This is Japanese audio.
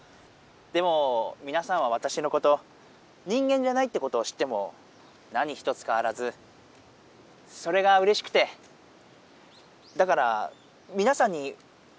でもみなさんはわたしのこと人間じゃないってことを知っても何一つかわらずそれがうれしくてだからみなさんにおれいがしたいんです。